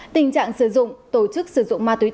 tình trạng sử dụng tổ chức sử dụng ma túy